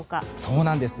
そうなんです。